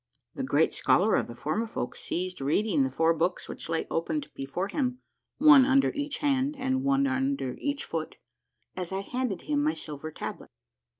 " The great scholar of the Formifolk ceased reading the four books which lay opened before him — one under each hand and one under each foot — as I handed him my silver tablet.